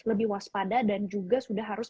lebih waspada dan juga sudah harus